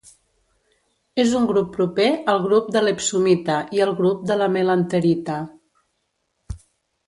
És un grup proper al grup de l'epsomita i al grup de la melanterita.